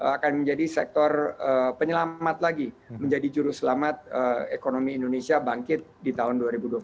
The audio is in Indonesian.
akan menjadi sektor penyelamat lagi menjadi juru selamat ekonomi indonesia bangkit di tahun dua ribu dua puluh satu